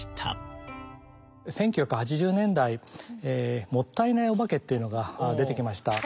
１９８０年代もったいないお化けっていうのが出てきました。